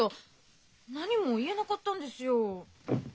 何も言えなかったんですよ。